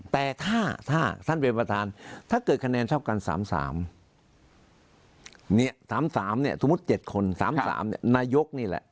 แต่ถ้าท่านเป็นประธานถ้าเกิดคะแนนชอบกัน๓๓เนี่ยสมมุติ๗คน๓๓นายกนี่แหละ